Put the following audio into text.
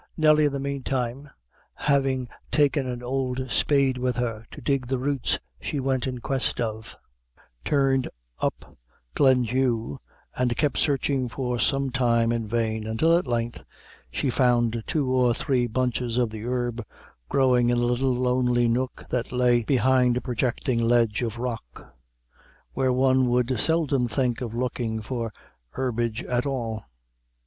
Nelly, in the meantime, having taken an old spade with her to dig the roots she went in quest of, turned up Glendhu, and kept searching for some time in vain, until at length she found two or three bunches of the herb growing in a little lonely nook that lay behind a projecting ledge of rock, where one would seldom think of looking for herbage at all.